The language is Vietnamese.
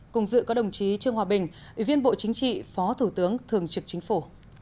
cùng dự có đồng chí trương hòa bình ủy viên bộ chính trị phó thủ tướng thường trực chính phủ